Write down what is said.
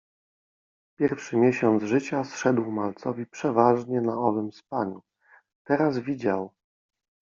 Pierwszy miesiąc życia zszedł malcowi przeważnie na owym spaniu. Teraz widział